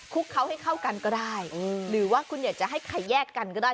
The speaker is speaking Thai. คุกเขาให้เข้ากันก็ได้หรือว่าคุณอยากจะให้ใครแยกกันก็ได้